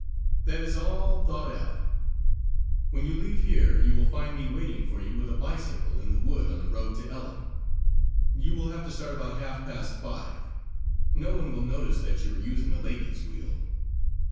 "That is all thought out. When you leave here you will find me waiting for you with a bicycle in the wood on the road to Ellon. You will have to start about half past five. No one will notice that you are using a lady's wheel.